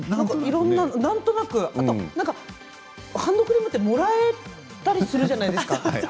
なんとなく、あとハンドクリームってもらったりするじゃないですか。